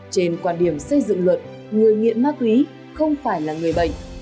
trên quan điểm xây dựng luật người nghiện ma túy không phải là người bệnh